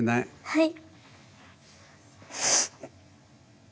はい。